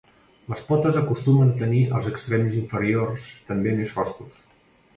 Les potes acostumen a tenir els extrems inferiors també més foscos.